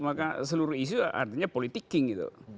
maka seluruh isu artinya politiking gitu